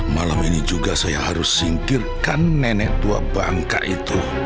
malam ini juga saya harus singkirkan nenek tua bangka itu